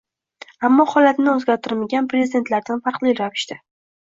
ammo holatni o‘zgartirmagan prezidentlardan farqli ravishda